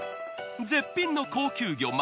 絶品の高級魚真